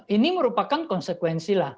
ini merupakan konsekuensi lah